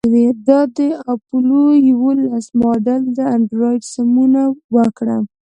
دا د اپولو یوولس ماډل دی انډریو سمونه وکړه